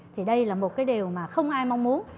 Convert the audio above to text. thì đây là một cái điều mà không ai mong muốn